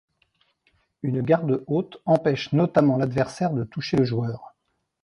Une garde haute empêche notamment l'adversaire de toucher le joueur.